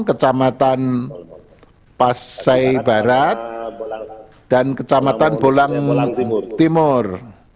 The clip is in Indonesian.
kecamatan pasai barat dan kecamatan bolang timur